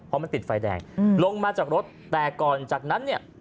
เพราะมันติดไฟแดงลงมาจากรถแต่ก่อนจากนั้นเนี่ย